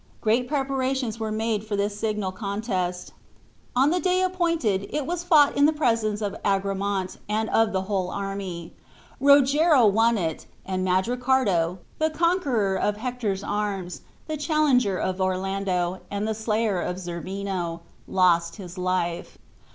Great preparations were made for this signal contest. On the appointed day it was fought in the presence of Agramant, and of the whole army. Rogero won it; and Mandricardo, the conqueror of Hector's arms, the challenger of Orlando, and the slayer of Zerbino, lost his life.